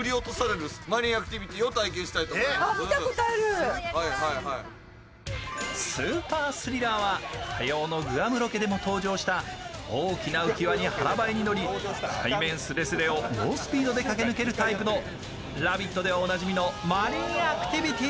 シミの原因に根本アプローチスーパースリラーは火曜のグアムロケでも登場した大きな浮き輪に腹ばいに乗り、海面すれすれを猛スピードで駆け抜けるタイプの「ラヴィット！」でおなじみのマリンアクティビティ。